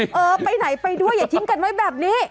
เออไปไหนไปด้วยอย่าทิ้งกันไว้แบบนี้